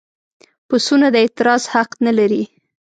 پسونه د اعتراض حق نه لري.